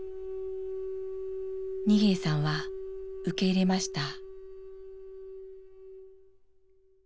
二瓶さんは受け入れました。